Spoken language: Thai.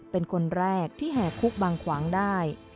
เป็นคนแรกที่แห่คุกบางขวางได้